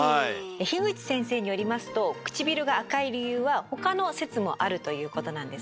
口先生によりますとくちびるが赤い理由は他の説もあるということなんですね。